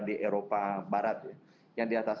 di eropa barat yang di atas